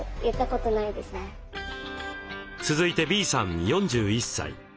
続いてＢさん４１歳。